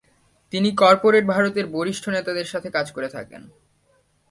তিনি কর্পোরেট ভারতের বরিষ্ঠ নেতাদের সাথে কাজ করে থাকেন।